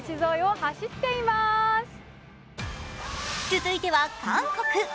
続いては韓国。